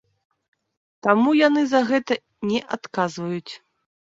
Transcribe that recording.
Таму яны за гэта не адказваюць.